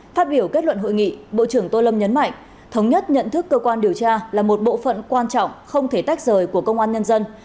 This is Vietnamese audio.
phát biểu kết luận hội nghị bộ trưởng tô lâm nhấn mạnh thống nhất nhận thức cơ quan điều tra là một bộ phận quan trọng không thể tách rời của công an nhân dân